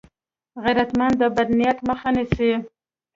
غیرتمند د بد نیت مخه نیسي